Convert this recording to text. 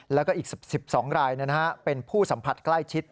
แล้วก็อีก๑๒รายเป็นผู้สัมผัสใกล้ชิด